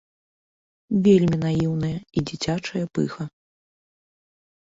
Вельмі наіўная і дзіцячая пыха.